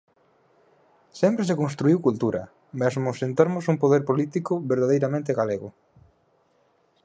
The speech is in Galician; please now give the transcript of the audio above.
Sempre se construíu cultura, mesmo sen termos un poder político verdadeiramente galego.